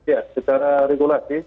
ya secara regulasi